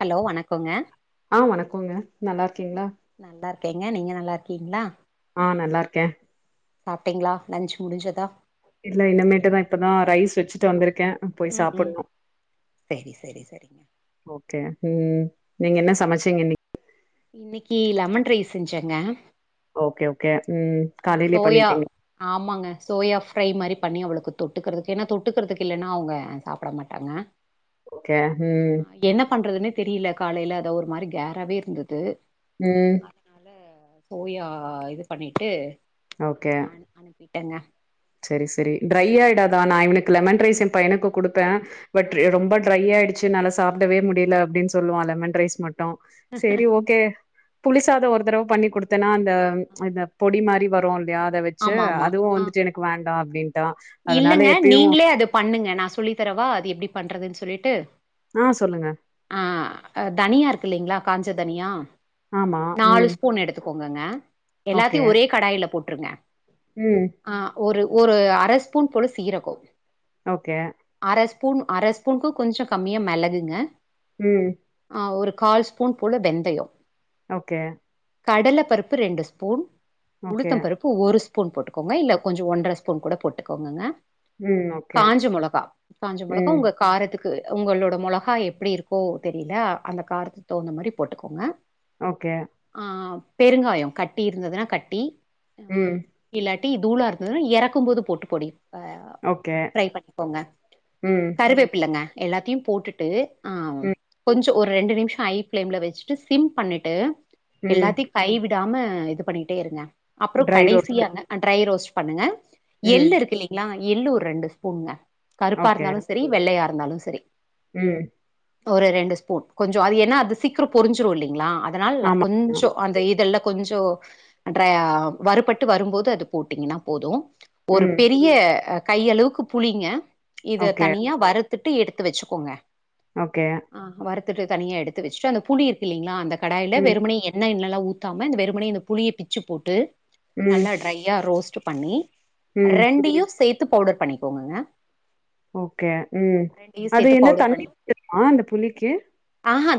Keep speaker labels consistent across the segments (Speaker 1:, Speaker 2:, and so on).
Speaker 1: Hello வணக்குங்க
Speaker 2: ஆ வணக்குங்க நல்லார்கீங்ளா
Speaker 1: கேங்க நீங்க நல்லார்க்கீங்ளா
Speaker 2: ஆ நல்லார்க்கே
Speaker 1: சாப்ட்டீங்ளா லஞ்ச் முடிஞ்சதா
Speaker 2: இல்ல இனமேட்டு தான் இப்பதான் ரைஸ் வச்சிட்டு வந்திருக் க்கே போய்
Speaker 1: ம் ம்
Speaker 2: சாப்புட்னு
Speaker 1: செரி செரி செரிங்க
Speaker 2: ஓகே ம் ம் நீங்க என்ன சமச்சீங்க இன்னி
Speaker 1: இன்னிகி லெமன் ரைஸ் செஞ்செங்க
Speaker 2: ஓகே ஓக்கே
Speaker 1: ஆ சோயா ஆமாங்க சோயா ஃப்ரை மாரி பண்ணி அவ்ளுக்கு தொட்டுக்கிறதுக்கு என்ன தொட்டுக்கிறதுக்கு இல்லன்னா அவங்க சாப்ட மாட்டாங்க
Speaker 2: ஓகே ம்
Speaker 1: ஹா என்ன பண்றதுன்னேத் தெரியில காலேல அதோ ஒர் மாரி கேராவே இர்ந்துது
Speaker 2: ம்
Speaker 1: அதனால சோயா இது பண்ணிட் ட்டு
Speaker 2: ஓகே
Speaker 1: ட்டங்க
Speaker 2: செரி செரி ட்ரை ஆய்டாதா நா இவுனுக்கு லெமன் ரைஸ் என் பைனுக்கு குடு பே
Speaker 1: ஆ
Speaker 2: பட் ரெ ரொம்ப டிரையாய்டுச் சினாலா சாப்டவே முடில அப்டின் சொல்லுவா லெமன் ரைஸ் மட் ட்டோ செரி ஓகே புளிசாதோ ஒரு தடவ பண்ணி குடுத்தனா அந்த இந்த பொடி மாரி வரு ஆர வெச்சு
Speaker 1: ஆமா ஆமா
Speaker 2: அதுவு
Speaker 1: ஆ
Speaker 2: வந்துட்டு எனக் டா அப்டின்
Speaker 1: இல்லங்க நீங்ளே அது பண்ணுங்க நா சொல்லி தரவா அது எப்டி பண்றதுன் ஸ் சொல்லிட்டு
Speaker 2: ஆஹ் சொல்லுங்க
Speaker 1: தனியாக இருக்கு இல்லைங்களா காஞ்ச தனியா
Speaker 2: ஆமா உம்
Speaker 1: பொங்கங்க எல்லாத்தையும் ஒரே கடாயில போட்டு சொல்லுங்க [unintelligible]
Speaker 2: ம்
Speaker 1: ஆஹ் ஒரு ஒரு அரசு ஸ்பூன் பொழு சீரகம்
Speaker 2: ஓகே
Speaker 1: ஸ்பூன் அரை ஸ்பூனுக்கும் கொஞ்சம் கம்மியா மிளகுங்க
Speaker 2: உம்
Speaker 1: ஒரு கால் ஸ்பூன் போல வெந்தயம்
Speaker 2: ஓகே
Speaker 1: கடலை பருப்பு ரெண்டு ஸ்பூன்
Speaker 2: ஓகே
Speaker 1: உளுத்தம் பருப்பு ஒரு ஸ் ஸ்பூன் போட்டுக்கங்க இல்லே கொஞ்ச ஒன்ற ஸ்பூன் கூட போட்டு கொங்குங்க
Speaker 2: ம் ஓகே
Speaker 1: காஞ்ச மொளகா காஞ்ச மொளகா
Speaker 2: ம்
Speaker 1: உங்க காரத்துக்கு உங்களோட மொளகா எப்படி இருக்கோ தெரியல அந்த காரத்து தகுந்த மாதிரி போட்டுக்கோங்க
Speaker 2: ஓகே
Speaker 1: ஆஹ் பெருங்காயம் கட்டி இருந்ததுன்னா கட்டி
Speaker 2: ம்
Speaker 1: இல்லாட்டி இது தூல இருந்தது எறக்கும் போது போட்டு பொடி
Speaker 2: ஓகே
Speaker 1: ட்ரை பண்ணிக்கோங்க
Speaker 2: ம்
Speaker 1: கருவேப்பிள்ளைங்க எல்லாத்தையும் போட்டுட்டு ஆ
Speaker 2: ம்
Speaker 1: கொஞ்சோ ஒரு ரெண்டு நிமிஷம் ஐ பிளேம்ல வச்சுட்டு சிம் பண்ணிட்டு
Speaker 2: ம்
Speaker 1: எல்லாத்தையும் கை விட்டு விடாம இது பண்ணிட்டே இருங்கே அப்புறம்
Speaker 2: ட்ரை ரோஸ்ட்
Speaker 1: கடைசியாங்க ட்ரை ரோஸ்ட் பண்ணுங்க
Speaker 2: ம்
Speaker 1: எல்லரு அ எள்ளூ ஒரு ரெண்டு ஸ்பூன்ங்க கருப்பா
Speaker 2: ஓகே
Speaker 1: இருந்தாலும் சரி வெள்ளையார் இருந்தாலும் சரி
Speaker 2: ம்
Speaker 1: ஒரு ரெண்டு ஸ்பூன் கொஞ்சம் அது என்னா அது சீக்கிரம் பொரிஞ்சிரும் இல்லைங்களா அதனால
Speaker 2: ஆமா
Speaker 1: கொஞ்ச அந்த இதெல்லா கொஞ்ச ட்ர வறுப்பட்டு வரும்போது அது போட்டீங்கன்னா போதும் ஒரு
Speaker 2: ம்
Speaker 1: பெரிய கை அளவுக்கு புளிங்க இது
Speaker 2: ஓகே
Speaker 1: தனியா வறுத் திட்டு எடுத்து வச்சுக்கோங்க
Speaker 2: ஓகே
Speaker 1: அ வருத் எடுத்துட்டு தனியா எடுத்து வச்சிட்டு அந்த புளி இருக்கீங்களா அந்த கடாயில்ல
Speaker 2: ம்
Speaker 1: வெறுமணி எண்ணெய் கிள்ளலாஎல்லா ஊத் ஊத்தாம இந்த வெறுமணி இந்த புளிய பிச்சு போட்டு
Speaker 2: ம்
Speaker 1: நல்லா ட்ரையா ரோஸ்ட் பண்ணி
Speaker 2: ம்
Speaker 1: ரெண்டியு சேத் பவுடர் பண்ணிக்கோங்கங்க
Speaker 2: ஓகே ம் அது
Speaker 1: சேர்த்து
Speaker 2: என்ன
Speaker 1: பவுடர்
Speaker 2: தண்ணி
Speaker 1: பண்ணி
Speaker 2: ஊத்தணுமா அந்த புளிக்கு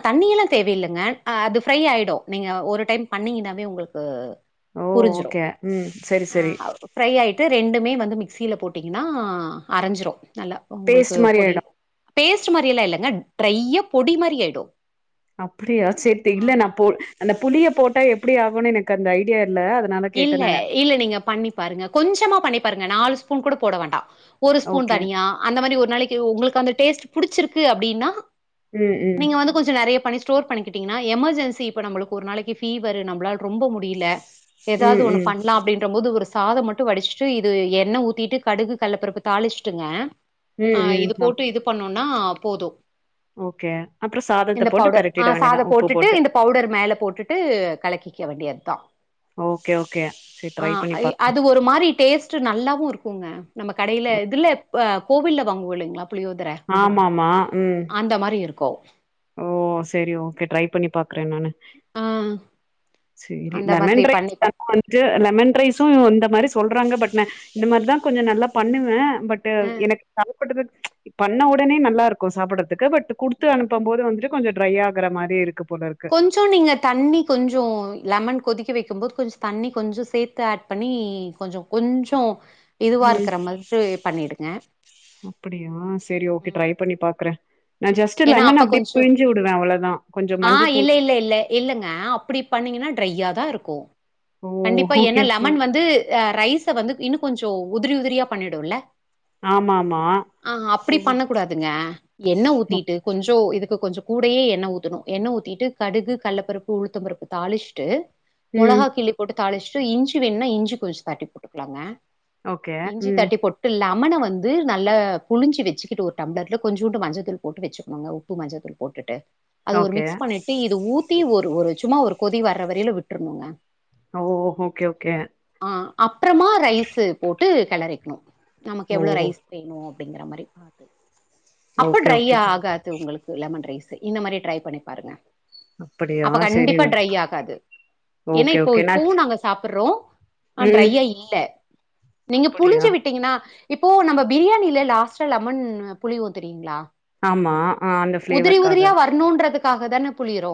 Speaker 1: தண்ணியெல்லா தேவையில்லைங்க அது ஃப்ரை ஆகிடும் நீங்கள் ஒரு டைம் பண்ணிங்கன்னாவே உங்களுக்கு
Speaker 2: ஓ
Speaker 1: உறிஞ்சிரு
Speaker 2: ஓகே ம் சரி சரி
Speaker 1: இது ரெண்டுமே வந்து மிக்சியில போட்டிங்கன்னா அரைஞ்சிரும் நல்லா உங்களுக்கு
Speaker 2: பேஸ்ட் மாரி
Speaker 1: பொடி
Speaker 2: ஆயிடு
Speaker 1: பேஸ்ட் மாரியெல்லா இல்லைங்க டிரையா பொடி மாரி ஆயிடும்
Speaker 2: அப்படியா சேரி இல்ல நான் போ அந்த புளிய போட்டா எப்படி ஆகும்னு எனக்கு அந்த ஐடியா இல்ல அதனால கேட்டே
Speaker 1: இல்ல
Speaker 2: நானு
Speaker 1: இல்ல நீங்க பண்ணி பாருங்க கொஞ்சமா பண்ணி பாருங்க நாலு ஸ்பூன் கூட போட வேண்டாம் ஒரு ஸ்பூன்
Speaker 2: ஓகே
Speaker 1: தனியா அந்த மாரி ஒரு நாளைக்கு உங்களுக்கு அந்த டேஸ்ட் புடிச்சிருக்கு அப்டின்னா
Speaker 2: ம் ம்
Speaker 1: நீங்க வந்து கொஞ்சோ நெறையப் பண்ணி ஸ்டோர் பண்ணிக்கிட்டீங்கன்னா எமர்ஜென்சி இப்ப நம்மளுக்கு ஒரு நாளைக்கு பீவர் நம்மளால ரொம்ப முடியல ஏதாவது
Speaker 2: ம்
Speaker 1: ஒன்னு
Speaker 2: ம்
Speaker 1: பண்ணலாம் அப்டின்ற போது ஒரு சாதம் மட்டும் வடிச்சிட்டு இது எண்ண ஊத்திட்டு கடுகு கல்ல பருப்பு தாளிச்சிட்டுங்க
Speaker 2: ம்
Speaker 1: ஆஹ் இது
Speaker 2: ம் அப்
Speaker 1: போட்டு இது பண்ணு னா போது
Speaker 2: ஓகே அப்றோ சாதத்த
Speaker 1: இந்த
Speaker 2: போட்டு
Speaker 1: பவுடர்
Speaker 2: பெரட்டிட
Speaker 1: ஆஹ் சாத
Speaker 2: வேண்டியதா உப்பு
Speaker 1: போட்டுட்டு
Speaker 2: போட்டு
Speaker 1: இந்த பவுடர் மேல போட்டுட்டு கலக்கி வெக்க வேண்டியது தா
Speaker 2: ஓகே ஓகே செரி
Speaker 1: ஆ
Speaker 2: ட்ரை பண்ணி
Speaker 1: அய்
Speaker 2: பாக்றே
Speaker 1: அது ஒரு மாரி டேஸ்ட் நல்லாவு இருக்கும். குங்க நம்ம கடையில இதுல ப கோவில்ல வாங்குவோம் இல்லைங்களா புளியோதர
Speaker 2: ஆமாமா உம்.
Speaker 1: கோ
Speaker 2: ஓ சேரி ஓகே ட்ரை பண்ணி பாக் குறே நானு
Speaker 1: ஆ
Speaker 2: சேரி
Speaker 1: அந்த மாதிரி
Speaker 2: லெமன் ரைஸ்
Speaker 1: பண்ணி பா
Speaker 2: [inaudible] வந்துட்டு லெமன் ரைஸும் இந்த மாரி சொல் றாங்க பட் நா இந்த மாரிதா கொஞ்சோ நல்லா பண்ணுவே பட்
Speaker 1: ஆ
Speaker 2: எனக்கு [inaudible] பண்ண உடனே நல்லா இருக்கும் சாப்பிட்றதுக் க்கு பட் குடுத்து அனுப் சாதோ வந்துட்டு கொஞ்சோ ட்ரை ஆகுற மாதிரி இருக்கும்.
Speaker 1: கொஞ்சோ நீங்க தண்ணி கொஞ்சோ லெமன் கொதிக் வெக்கும் போது கொஞ்சோ தண்ணி கொஞ்சோ சேர்த்து ஆட் பண்ணி கொஞ்சோ கொஞ்சோ இதுவா
Speaker 2: உம்
Speaker 1: இருக்கிற மாதிரி பண்ணிடுங்க
Speaker 2: அப்படியா சரி ஓகே
Speaker 1: ம்.
Speaker 2: ட்ரை பண்ணி பாக்குறே. நா ஜஸ்ட்
Speaker 1: ஏன்னா
Speaker 2: லெமன்
Speaker 1: அப்ப
Speaker 2: அப்டியே
Speaker 1: கொஞ்சோ
Speaker 2: பிழிஞ்சு விடுவே அவ்ளோதா கொஞ்சோ
Speaker 1: ஆ
Speaker 2: மஞ்சத்தூள்
Speaker 1: இல்ல இல்ல இல்ல இல்லங்க அப்படி பண்ணீங்கன்னா ட்ரையா தா இருக்கும்.
Speaker 2: ஓ
Speaker 1: கோ கண்டிப்பா என்னா
Speaker 2: ஓகே ஓகே
Speaker 1: லெமன் வந்து ரைஸ்ஸ வந்து இன்னு கொஞ்சோ உதிரி உதிரியா பண்ணிடும்ல
Speaker 2: ஆமா ஆமா
Speaker 1: ஆஹா அப்டி பண்ண கூடாதுங்க என்ன ஊத்திட் கொஞ்சோ இதுக்கு கொஞ்சோ கூடயே எண்ணெய ஊத்தணு எண்ண ஊத்திட்டு கடுகு கள்ளப்பருப்பு உளுத்தம் பருப்பு தாளிச்சிட்டு
Speaker 2: ம்
Speaker 1: மொளகா கிள்ளி போட்டு தாளிச்சிட்டு இஞ்சி வேணுன்னா இஞ்சி கொஞ்சோ தட்டி போட்டுக்கலாங்க
Speaker 2: ஓகே
Speaker 1: இஞ்சி
Speaker 2: ம்
Speaker 1: தட்டி போட்டுலாம் லெமன வந்து நல்லா புளிஞ்சி வெச்சுகிட்டு ஒரு டப்ளர்ல கொஞ்சுண்டு மஞ்சள் தூள் போட்டு வச்சுக்கோங்க உப்பு மஞ்சத்தள் போட்டுட்டு அது ஒரு
Speaker 2: ஓகே
Speaker 1: மிக்ஸ் பண்ணிட்டு இது ஊத்தி ஒரு ஒரு சும்மா ஒரு கொதி வர்ற வரையிலு விட்ருனுங்க
Speaker 2: ஆ ஓ ஓ ஓகே ஓகே
Speaker 1: ஆ அப்றமா ரைசு போட்டு கெளரிக்ணு நமக்கு
Speaker 2: ஓ
Speaker 1: எவ்ளோ ரைஸ் வேணு அப்டிங்ற மாரி பாத்து
Speaker 2: ஓகே ஓ
Speaker 1: [unintelligible] ஆகாது உங்களுக்குள்ள லெமன் ரைசு இந்த மாரி ட்ரை பண்ணி பாருங்க
Speaker 2: அப்படியா
Speaker 1: அப்ப
Speaker 2: சரி
Speaker 1: கண்டிப்பா
Speaker 2: நான்
Speaker 1: ட்ரை ஆகாது ஏனா
Speaker 2: ஓகே
Speaker 1: இப்போ
Speaker 2: ஓகே நா
Speaker 1: இப்பவு நாங்க சாப் அப்பறோ ஆ
Speaker 2: ம்
Speaker 1: ட்ரையா இல்ல நீங்க
Speaker 2: அப்படியா
Speaker 1: புழிஞ்சி விட்டிங்னா இப்போ நம்ப பிரியாணில லாஸ்டா லெமன் புழிவோ தெரியுங்ளா
Speaker 2: ஆமா ஆ அந்த ஃப்ளேவர் காக
Speaker 1: காக தான புழியிரோ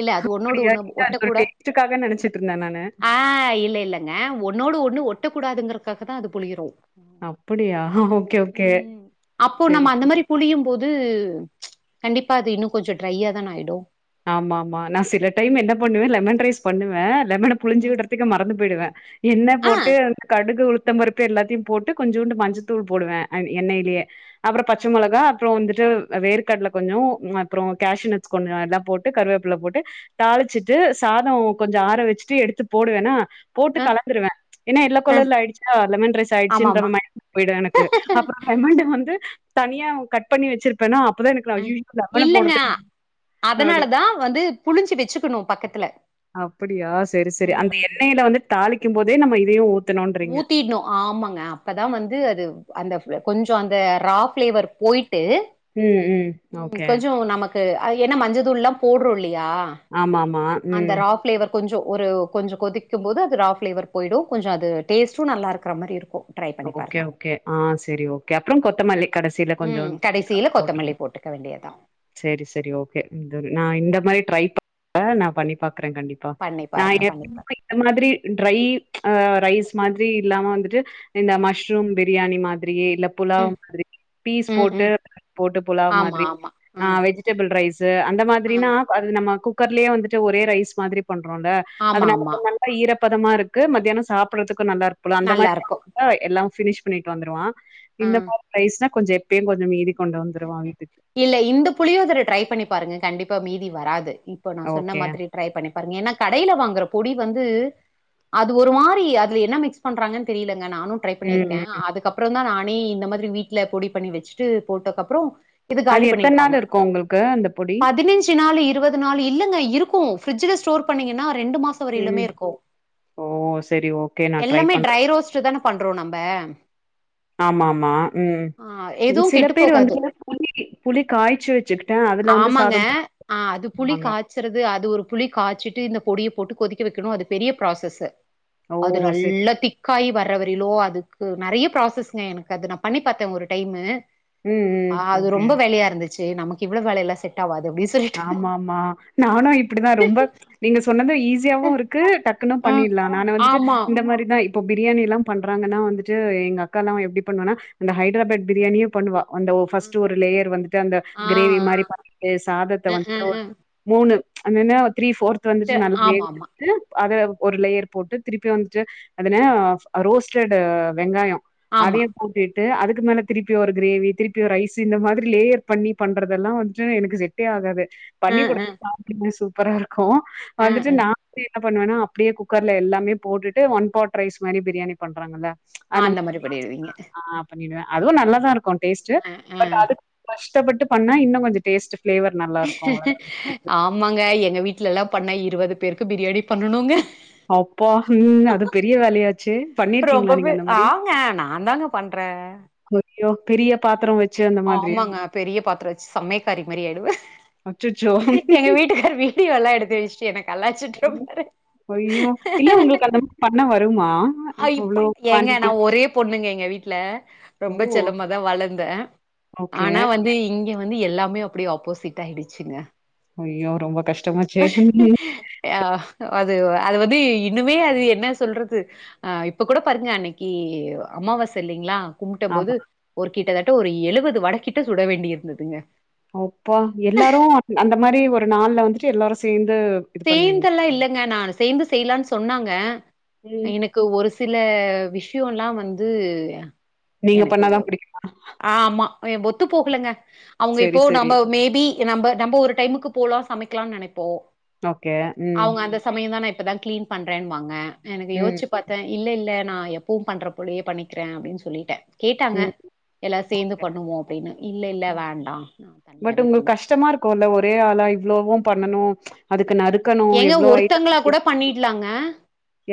Speaker 1: இல்ல அது ஒன்னோடு
Speaker 2: அப்படியா
Speaker 1: ஒன்னு
Speaker 2: இல்ல
Speaker 1: ஒட்ட
Speaker 2: அது ஒரு
Speaker 1: குட
Speaker 2: டேஸ்டுக்காக நெனச்சிட்டு இருந்தே நானு
Speaker 1: ஆ இல்ல இல்லங்க ஒன்னோடு ஒன்னு ஒட் ஒட்ட கூடாதுங்றக்காக தா அது பொழியுரோ
Speaker 2: அப்படியா ஹ ஓகே ஓகே
Speaker 1: அப்போ நம்ம
Speaker 2: செரி
Speaker 1: அந்த மாரி புளியும் போது கண்டிப்பா அது இன்னு கொஞ்சோ ட்ரையா தான ஆயிடு
Speaker 2: ஆமா ஆமா நா சில டைம் என்ன பண்ணுவே லெமன் ரைஸ் பண்ணுவ லெமன புழிஞ்சு விட்றத்துக்கு மறந்து போய்டுவே எண்ண
Speaker 1: ஆ
Speaker 2: போட்டு கடுகு உளுத் த்தம்பருப்பு எல்லாத்தையு போட்டு கொஞ்சோண்டு மஞ்சத்தூள் போடுவே அ எண்ணெய்லே அப்றம் பச்ச
Speaker 1: ஆ.
Speaker 2: மொளகா அப்ரோ வந் [unintelligible] அ வேர்கட்ல கொஞ்சோ அப்றம் கேஷுனட்ஸ் கொஞ்சோ எல்லா போட்டு கருவேப்ல போட்டு தாளிச்சிட்டு சாதோ கொஞ்சோ ஆற வச்சுட்டு எடுத்து போடுவேனா போட்டு
Speaker 1: அ
Speaker 2: கலந்துருவே ஏனா எல்லோ
Speaker 1: அ
Speaker 2: கலர்ல ஆயிடுச்சா லெமன் ரைஸாயிச்சுன்ற
Speaker 1: ஆமாமா
Speaker 2: மைண்ட் [unintelligible] போய்டு எனக்கு அப்புறம் லெமன் ட வந்து தனியா கட் பண்ணி வச்சிருப்பேனா அப்பதா எனக்கு [unintelligible] அய்யியோ லெமன போட்றத்துக்கு [unintelligible]
Speaker 1: அதனால தா வந்து புழிஞ்சி வெச்சுக்கணு பக்கத்துல
Speaker 2: அப்புடியா சேரி சேரி அந்த எண்ணெய்ல வந்து தாலி க்கும் போதே நம்ம இதையு
Speaker 1: ஊத்தின்னு ஆமாங்க அப்பதா வந்து அது அந்த ஃப கொஞ்சோ அந்த ரா ஃபிளேவர் போயி
Speaker 2: ம் ம் ஓகே
Speaker 1: து என்ன மஞ்சதூள் எல்லா போடுறோல்லி
Speaker 2: ஆமாமா ம்
Speaker 1: ஃபிளேவர் கொஞ்சோ ஒரு கொஞ்சோ கொதிக்கும்போது அது ரா ஃபிளேவர் போயிடு கொஞ்சோ அது டேஸ்ட்டு நல்லா இருக்கற மாரி இருக்கு ட்ரை பண்ணி பாருங்க
Speaker 2: ஓகே ஓகே ஆ செரி ஓகே அப்புறம் கொத்தமல்லி கடைசில கொஞ்சோ
Speaker 1: ம் கடைசியில
Speaker 2: போட்டு
Speaker 1: கொத்தமல்லி போட்டுக்க வேண்டியதா
Speaker 2: செரி செரி ஓகே த நா
Speaker 1: ம்.
Speaker 2: இந்த மாரி ட்ரை ப ஆ நா பண்ணிப்பாக் க்ரேன் கண்டிப்பா
Speaker 1: பண்ணி
Speaker 2: நா
Speaker 1: பாருங்க
Speaker 2: [inaudible]
Speaker 1: பண்ணி பாருங்க
Speaker 2: இந்த மாதிரி ட்ரை ப்ச் ரைஸ் மாதிரி இல்லாம டு இந்த
Speaker 1: ம்
Speaker 2: மஷ்ரூம் வெ பிரியாணி மா ரியே இல்ல புலாவ்
Speaker 1: ம்
Speaker 2: மாதிரி பீஸ்
Speaker 1: ம்
Speaker 2: போட்டு
Speaker 1: ம்
Speaker 2: போட்டு புலாவ்
Speaker 1: ஆமா
Speaker 2: மாதிரி
Speaker 1: ஆமா
Speaker 2: ஆ
Speaker 1: ம்
Speaker 2: வெஜிடேபிள் ரைஸ் து அந்த
Speaker 1: ஆ
Speaker 2: மாதிரினா அது நம்ம குக் குக்கர்லயே வந்துட்டு ஒரே ரைஸ் மாதிரி பண்றோல்ல அது
Speaker 1: ஆமா ஆமா
Speaker 2: நமக்கு நல்ல ஈர ப்பதமா இருக்கு மத்தியானோ சாப்றது க்கு நல்லா இருக்குல்ல அந்த மாரி
Speaker 1: நல்லாருக்கு
Speaker 2: பை எல்லா வினிஷ் பண்ணிட்டு வந்துருவா
Speaker 1: ஆ
Speaker 2: இந்த மாரி ரைஸ்னா கொஞ்சோ எப்பயு கொஞ்சோ மீதி கொண்டு வந்துருவா வீட்டுக்கு
Speaker 1: இல்ல இந்த புளியோதர ட்ரை பண்ணி பாருங்க கண்டிப் பா மீதி வராது இப்போ நா சொன்ன
Speaker 2: ஓகே
Speaker 1: மாதிரி ட்ரை பண்ணி பாருங்க ஏனா கடைல வாங்குற பொடி வந்து அது ஒரு மாரி அதுல என்ன மிக்ஸ் பண்றாங்கன்னு தெரில இங்க நானு ட்ரை
Speaker 2: ம்
Speaker 1: பண்ணிருக்கே
Speaker 2: ம்
Speaker 1: அதுக்கப்புறந்தா நா நீ இந்த மாதிரி வீட்ல பொடி பண்ணி வெச்சுட்டு போட்டக்கப்றோ இது
Speaker 2: அது
Speaker 1: காலி
Speaker 2: எத்தன
Speaker 1: பண்ணிடுவாங்க
Speaker 2: நாள் இருக்கு உங்களுக்கு அந்த பொடி
Speaker 1: பதினெஞ்சு நாளு இருவது நாளு இல்லங்க இருக்கு ஃபிரிட்ஜ்ல ஸ்டோர் பண்ணீங்கன்னா ரெண்டு மாசோ வரயிலுமே
Speaker 2: ம்
Speaker 1: இருக்கு
Speaker 2: ஓ செரி ஓகே நா
Speaker 1: எல்லாமே
Speaker 2: பண்றே
Speaker 1: ட்ரை ரோஸ்ட்தான பண்றோ நம்ம
Speaker 2: ஆமா ஆமா ம்
Speaker 1: ஆ எதுவு
Speaker 2: சில
Speaker 1: கெட்டு
Speaker 2: பேர்
Speaker 1: போகாது
Speaker 2: வந்துட்டு புளி புளி காய்ச்சி வச்சுக்கிட்டு அதுல வந்து
Speaker 1: ஆமாங்க
Speaker 2: சாதம்
Speaker 1: ஆ அது புளி
Speaker 2: போடுவாங்க.
Speaker 1: காய்ச்சுறது அது ஒரு புளி காய்ச்சிட்டு இந்த பொடியு போட்டு கொதிக்க வெக்கணு அது பெரிய ப்ராசஸ்சு
Speaker 2: ஓ!
Speaker 1: அது
Speaker 2: சரி.
Speaker 1: நல்லா திக்காயி வர்ரவரிலோ அது கு நெறைய ப்ராசஸ்ங்க எனக்கு அது நா பண்ணி பாத்தே ஒரு டைமு
Speaker 2: ம், ம்.
Speaker 1: அது
Speaker 2: ஓகே.
Speaker 1: ரொம்ப வேலேயா இருந்து ச்சு நமக்கு இவ்ளோ வேலேயில்ல செட் ஆவா
Speaker 2: ஆமா ஆமா நானு இப்டிதா ரொம்ப நீங்க சொன்னதை ஈஸியாவு இருக்கு டக் க்கனா
Speaker 1: ம்
Speaker 2: பண்ணிலா நானா வந்துட்டு
Speaker 1: ஆமா
Speaker 2: இந்த மாரிதான் இப்போ பிரியாணி எல்லா பண்றாங்கன்னா வந்துட்டு எங்க அக்காலா எப்டி பண்ணுவனா அந்த ஹைதராபாத் பிரியாணியே பண்ணுவா அந்த ஃபர்ஸ்ட் ஒரு லேயர் வந்துட்டு அந்த கிரேவி மாரி பண்ணிட்டு சாதத்
Speaker 1: ம் ம் ம்
Speaker 2: பூன்னு அன்னனா த்ரீ ஃபோர்த் வந்துட்டு நல்ல வேக
Speaker 1: ஆமா ஆமா
Speaker 2: விட்டுட்டு அத ஒரு லேயர் போட்டு திருப்பி வந்துட்டு அதன ரோஸ்டட் வெங்காயம்
Speaker 1: ஆமா
Speaker 2: அதயும் போட்டு ட்டு அதுக்கு மேல திருப்பி ஒரு கிரேவி திருப்பி ஒரு ரைஸ் இந்த மாதிரி லேயர் பண்ணி பண்றதெல்லா வந்துட்டு எனக்கு செட் டே ஆகாது
Speaker 1: அ
Speaker 2: பண்ணி
Speaker 1: அ
Speaker 2: கொடுத்த சாப்டுவே சூ ப்பரா இருக்கு
Speaker 1: அ
Speaker 2: வந்துட்டு
Speaker 1: அ
Speaker 2: நா என்ன பண்ணுவன்னா அப்டியே குக்கர்ல எல்லாமே போட்டுட்டு ஒன் பாட் ரைஸ் மாரி பிரியாணி பண்றாங்களா
Speaker 1: ஆ அந்த மாரி பண்ணிறுவீங்க
Speaker 2: அதுவும் நல்லதா இருக்கும் டேஸ்ட் பட் அதுக்கு கஷ் டப்பட்டு பண்ணா இன்னு கொஞ்ச டேஸ்ட் ஃபிளேவர் நல்லா இருக்கு அவ்ளோதா
Speaker 1: ஆமாங்க எ ங்க வீட்லல்லா பண்ண இருவது பேருக்கு பிரியாணி பண்ணனுங்க
Speaker 2: அப்பா ம் அது பெரிய வேலயாச்சே
Speaker 1: ரொம்ப
Speaker 2: பண்ணிருக்கீங்களா நீங்க
Speaker 1: பே
Speaker 2: அந்த மாரி
Speaker 1: ஆங்க நான் தாங்க பண்றே
Speaker 2: [unintelligible] பெரிய பாத்திர வ
Speaker 1: ஆமாங்க பெரிய பாத்திர சமயக்காரி மாரி ஆயிடுவ
Speaker 2: அச்சச்சோ!
Speaker 1: எங்க வீட்டுக்கார் வீடியோலா எடுத்து வச்சுடு என்ன கலாய்ச்சுட்டு
Speaker 2: ம்.
Speaker 1: இருப்பாரு
Speaker 2: ருமா
Speaker 1: அ இப்ப ஏங்க நா ஒரே பொண்ணுங்க எங்க வீட்டுல
Speaker 2: ஓ!
Speaker 1: ரொம்ப செல்லமா தா வளந்தே
Speaker 2: ஓகே.
Speaker 1: ஆனா வந்து இங்க வந்து எல்லா ண்மையா அப்டியே ஆப்போசிட் ஆயிடுச்சுங்க
Speaker 2: ஐய்யோ ரொம்ப கஷ்
Speaker 1: ஆ அது அது வந்து இன்னுமே அது என்ன சொல்றது ஆ இப்ப கூட பாருங்க அன்னிக்கு அம்மாவாச இல்லிங்களா கும்ட்ட போது
Speaker 2: ஆமா.
Speaker 1: ஒரு கிட்டதட்ட ஒரு எழுவது வட கிட்ட சுட வேண்டிய இருந்ததுங்க
Speaker 2: அப்பா எல்லாரும் அ அந்த மாரி ஒர் ப்ப நாள்ல வந்துட்டு எல்லாரும் சேந்து
Speaker 1: சேந்தெல்லாம் இல்லங்க நான் சேந்து செய்யலான்னு சொன்னாங்க
Speaker 2: ம்.
Speaker 1: எனக்கு ஒரு சில விஷயோல்லாம் வந்து
Speaker 2: நீங்க
Speaker 1: எனக்கு
Speaker 2: பண்ணா தான் பிடிக்கும்.
Speaker 1: ஆ ஆமா என் புத் ஒத்து போகலங்க அவுங்க
Speaker 2: சரி,
Speaker 1: இப்போ
Speaker 2: சரி.
Speaker 1: நம்ப மேபி க்கே நம்ப நம்ப ஒரு டைமுக்கு போலாம் சமைக்கலாம்னு நனைப்போ
Speaker 2: ஓகே. ம்.
Speaker 1: அவங்க அந்த சமயம் தானே இப்பதா கிளீன் பண்றேன்னு வாங்க எனக்கு
Speaker 2: ம்.
Speaker 1: யோச்சு பாத்தேன் இல்ல இல்ல நா எப்பவும் பண்ற பொடியே பண்ணிக்கிறேன் அப்படின்னு சொல்லிட்டே கேட்டாங்க
Speaker 2: ம்.
Speaker 1: எல்லார சேர்ந்து பண்ணுவோம் அப்படின்னு இல்ல இல்ல வேண்டாம். நா
Speaker 2: பட்
Speaker 1: தனியாவே
Speaker 2: உங்களுக்கு
Speaker 1: பண்ணிக்கி
Speaker 2: பண்ணணும் அதுக்கு நறுக்கணு
Speaker 1: எங்க
Speaker 2: எவ்ளோ ஐட்டம்ஸ்
Speaker 1: ஒருத்தங்கள கூட
Speaker 2: ரெடி
Speaker 1: பண்ணிடலாங்க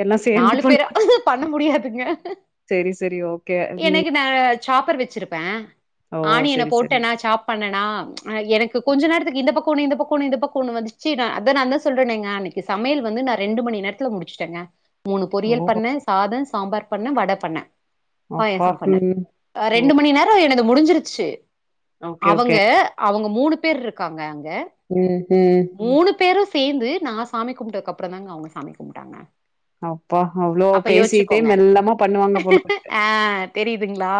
Speaker 2: எல்லா சேந்து
Speaker 1: நாலு பேரா பண்ண முடியாதுங்க
Speaker 2: சரி சரி ஓகே உம்
Speaker 1: எனக்கு நா சாப்பர் வச்சிருப்பே ஆனியன்
Speaker 2: செரி செரி
Speaker 1: போட்டேனா சாப் பண்ணனா அ எனக்கு கொஞ்ச நேரத்துக்கு இந்த பக்கம்ன்னனு இந்த பக்கம் இந்த பக்கம்ன்னு வந்துச்சு நா அத நான் சொல்றேனுங்க, அன்னைக்கு சமையல் வந்து நா ரெண்டு மணி நேரத்துல முடிச்சுட்டேங்க மூணு
Speaker 2: ஓ
Speaker 1: பொரியல் பண்ண சாதம் சாம்பார் பண்ண வட பண்ண
Speaker 2: அப்பா
Speaker 1: பாயசம் பண்ணே
Speaker 2: ம் ஓ
Speaker 1: ரெண்டு மணி நேரம் எனக் முடிஞ்சிருச்சு
Speaker 2: ஓகே
Speaker 1: அவங்க அவங்க மூணு பேர் இருக்காங்க அங்க
Speaker 2: உம்
Speaker 1: மூணு பேரும் ஸ் சேந்து நா சாமி கும்ட்டதுக் அப்றோ தாங்க அவங்க சாமி கும்ட்டாங்க
Speaker 2: அப்பா அவ்ளோ
Speaker 1: அப்ப
Speaker 2: பேசிட்டே
Speaker 1: யோசிச்சுக்கோங்க
Speaker 2: மெல்லமா பண்ணுவாங்க போல இருக்கு
Speaker 1: ஆ தெரியுதுங்களா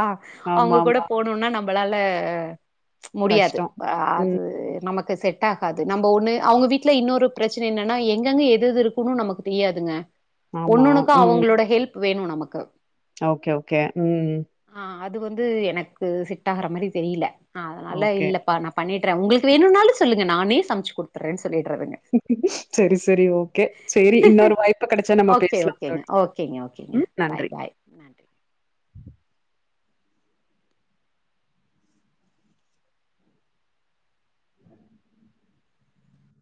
Speaker 1: அவங்க
Speaker 2: ஆமா
Speaker 1: கூட
Speaker 2: ஆமா
Speaker 1: போணும்னா நம்ம நம்மளால முடியாது
Speaker 2: கஷ்டோ
Speaker 1: ஆ அது
Speaker 2: ம்
Speaker 1: நமக் செட் ஆகாது நம்ம ஒண்ணு அவங்க வீட்டுல இன்னொரு பிரச்சன என்னன்னா எங்கெங்க எதுஎது இருக்குன்னு நமக்கு தெரியாதுங்க
Speaker 2: ஆமா
Speaker 1: ஒண்ணொன்னுக்கு
Speaker 2: ம்
Speaker 1: அவங்களோட ஹெல்ப் வேணு நமக்கு
Speaker 2: ஓகே ஓகே உம்
Speaker 1: ஆ அது வந்து எனக்கு செட் ஆகுற மாரி தெரியல ஆ அல்லா
Speaker 2: ஓகே
Speaker 1: இல்லப்பா நா பண்ணிட் த்ரே உங்களுக்கு வேணுனாலு சொல்லுங்க நானே சம ச்சு‌ குடுத்தறே
Speaker 2: செரி செரி ஓகே செரி இன்னொரு வாய்ப்பு கெடச்சா நம்ம
Speaker 1: ஓகே
Speaker 2: பேசலா
Speaker 1: ஓகேங்க
Speaker 2: தோழி
Speaker 1: ஓகேங்க ஓகேங்க
Speaker 2: உம்
Speaker 1: பாய்
Speaker 2: நன்றி
Speaker 1: பாய் நன்றி